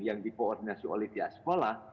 yang dipoordinasi oleh tiap sekolah